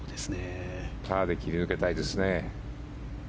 パーで切り抜けたいですね。